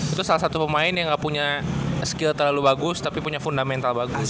itu salah satu pemain yang gak punya skill terlalu bagus tapi punya fundamental bagus